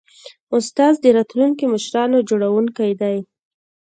استاد د راتلونکو مشرانو جوړوونکی دی.